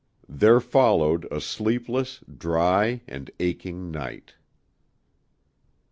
There followed a sleepless, dry, and aching night.